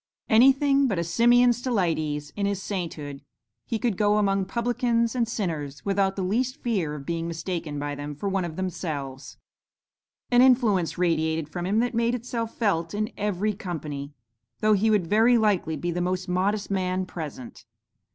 Anything but a Simeon Stylites in his sainthood, he could go among 'publicans and sinners' without the least fear of being mistaken by them for one of themselves. An influence radiated from him that made itself felt in every company, though he would very likely be the most modest man present.